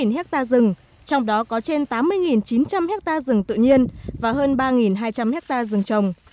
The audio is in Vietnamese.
ba mươi sáu hecta rừng trong đó có trên tám mươi chín trăm linh hecta rừng tự nhiên và hơn ba hai trăm linh hecta rừng trồng